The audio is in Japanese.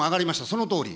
そのとおり。